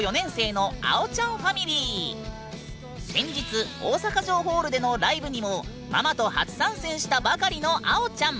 先日大阪城ホールでのライブにもママと初参戦したばかりのあおちゃん。